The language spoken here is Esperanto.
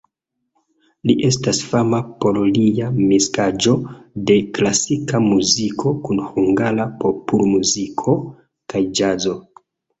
Li estas fama por lia miksaĵo de klasika muziko kun hungara popolmuziko kaj ĵazo.